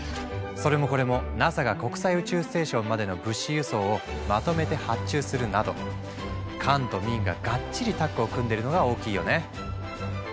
それもこれもＮＡＳＡが国際宇宙ステーションまでの物資輸送をまとめて発注するなど官と民ががっちりタッグを組んでるのが大きいよね。